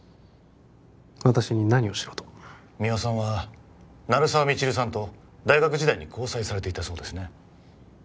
私に何をしろと三輪さんは鳴沢未知留さんと大学時代に交際されていたそうですね